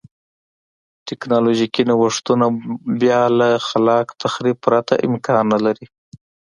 ټکنالوژیکي نوښتونه بیا له خلاق تخریب پرته امکان نه لري.